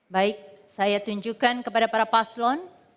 baik saya tunjukkan kepada para paslon